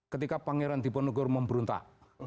ketika pangeran tiponegoro memberuntak